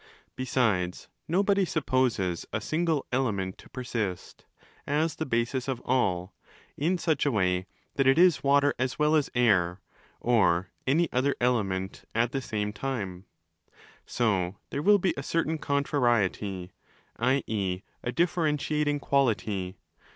Besides, nobody supposes a single 'element' to persist, as the basis of all, in such a way that it is Water as well as Air (or any other 'element') at the same time. So there will be a certain contrariety, i.e. a differentiating quality